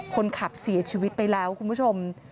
คนขับเสียชีวิตไปแล้วคุณผู้ชม